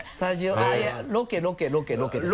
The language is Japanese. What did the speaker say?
いやロケロケロケロケです。